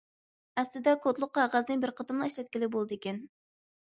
ئەسلىدە كودلۇق قەغەزنى بىر قېتىملا ئىشلەتكىلى بولىدىكەن.